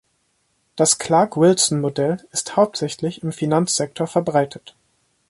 Das "Clark-Wilson-Modell" ist hauptsächlich im Finanzsektor verbreitet.